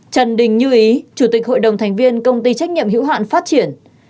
trần đình như ý chủ tịch hội đồng thành viên công ty trách nhiệm hữu hạn phát triển